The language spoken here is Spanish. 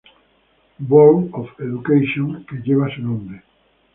Board of Education" que lleva su nombre.